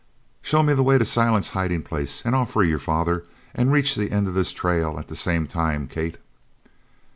"Show me the way to Silent's hiding place and I'll free your father an' reach the end of this trail at the same time, Kate!"